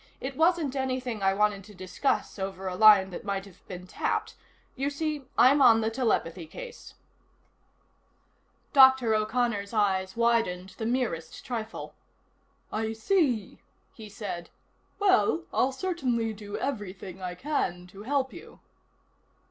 "It wasn't anything I wanted to discuss over a line that might have been tapped. You see, I'm on the telepathy case." Dr. O'Connor's eyes widened the merest trifle. "I see," he said. "Well, I'll certainly do everything I can to help you."